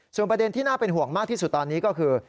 ส่วนประเด็นที่น่าเป็นห่วงมากที่สุดตอนนี้ก็คือ